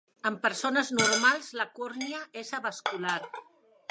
En persones normals, la còrnia és avascular.